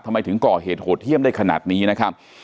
ทำไมถึงก่อเหตุโหดเยี่ยมได้ขนาดนี้นะครับ